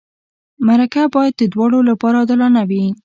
مرکه باید د دواړو لپاره عادلانه وي.